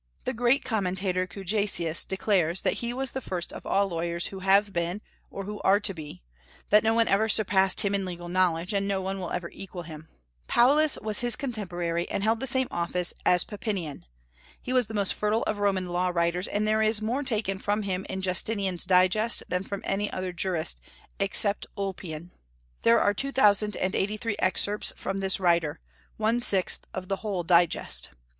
The great commentator Cujacius declares that he was the first of all lawyers who have been, or who are to be; that no one ever surpassed him in legal knowledge, and no one will ever equal him. Paulus was his contemporary, and held the same office as Papinian. He was the most fertile of Roman law writers, and there is more taken from him in Justinian's Digest than from any other jurist, except Ulpian. There are two thousand and eighty three excerpts from this writer, one sixth of the whole Digest.